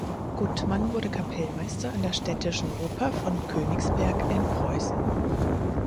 Guttmann wurde Kapellmeister an der Städtischen Oper von Königsberg in Preußen.